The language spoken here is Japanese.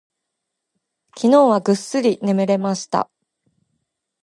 昨日はぐっすり眠れました。